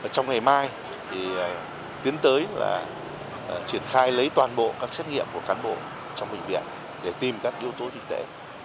trong ngày mai tiến tới là triển khai lấy toàn bộ các xét nghiệm của cán bộ trong bệnh viện để tìm các yếu tố y tế